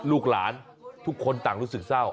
ลูกหลานทุกคนต่างรู้สึกเศร้า